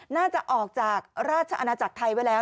น่าจะออกจากราชอาณาจักรไทยไว้แล้ว